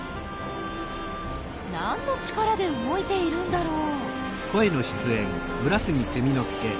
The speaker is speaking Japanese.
何の力で動いているんだろう？